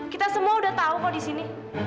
kita semua udah tau kok disini